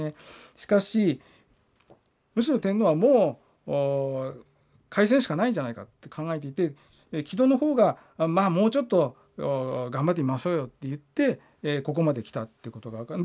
しかしむしろ天皇はもう開戦しかないんじゃないかって考えていて木戸の方がまあもうちょっと頑張ってみましょうよって言ってここまできたっていうことが分かる。